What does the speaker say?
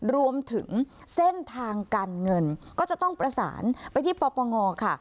รวมถึงเส้นทางการเงินก็จะต้องประสานไปที่ปปงค่ะ